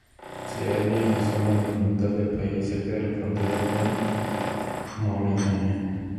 Se halla en la zona nororiental del país, cerca de la frontera con Mauritania.